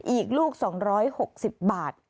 อีกลูก๒๖๐บาท